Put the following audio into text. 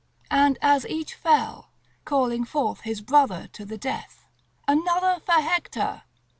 and as each fell, calling forth his brother to the death, "Another for Hector!"